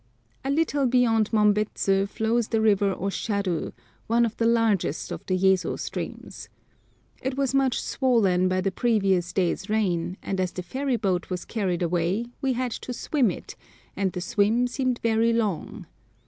A little beyond Mombets flows the river Osharu, one of the largest of the Yezo streams. It was much swollen by the previous day's rain; and as the ferry boat was carried away we had to swim it, and the swim seemed very long.